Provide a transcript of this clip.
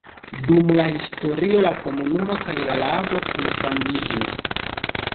Dum la historio la komunumo kaj la lago kunfandiĝis.